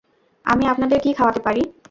আমি আপনাদের কি খাওয়াতে পারি?